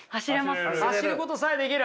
走ることさえできる。